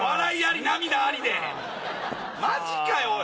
マジかよおい！